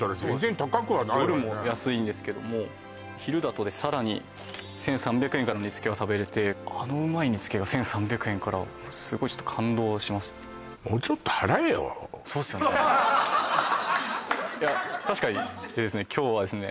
夜も安いんですけども昼だとさらに１３００円から煮付けが食べれてあのうまい煮付けが１３００円からすごいちょっと感動しましたそうですよねいや確かに今日はですね